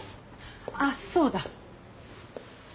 あっそうだ。